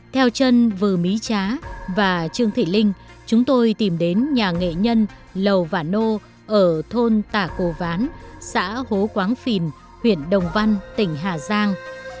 theo chân vừ mí trá và trương thị linh chúng tôi tìm đến nhà nghệ nhân lầu vả nô ở thôn tà cổ ván xã hố quán phìn huyện đồng văn tỉnh hà giang